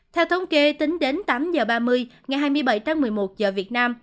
theo thống kê tính đến tám h ba mươi ngày hai mươi bảy tháng một mươi một giờ việt nam